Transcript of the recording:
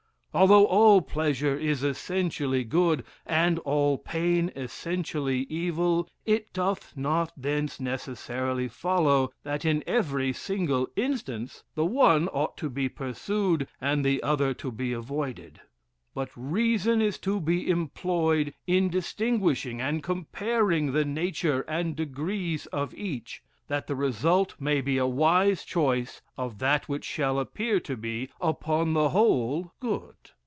Although all pleasure is essentially good, and all pain essentially evil, it doth not thence necessarily follow, that in every single instance the one ought to be pursued, and the other to be avoided; but reason is to be employed in distinguishing and comparing the nature and degrees of each, that the result may be a wise choice of that which shall appear to be, upon the whole, good.